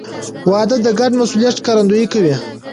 • واده د ګډ مسؤلیت ښکارندویي کوي.